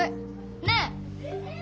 ねえ？